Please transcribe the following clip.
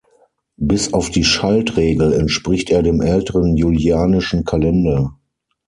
Bis auf die Schaltregel entspricht er dem älteren julianischen Kalender.